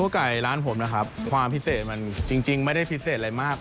ไก่ร้านผมนะครับความพิเศษมันจริงไม่ได้พิเศษอะไรมาก